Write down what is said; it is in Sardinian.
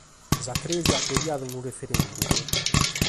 Sa Crèsia pediat unu referendum.